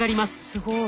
すごい。